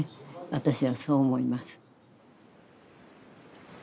私はそう思います